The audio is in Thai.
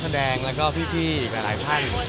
แสดงแล้วก็พี่อีกหลายท่าน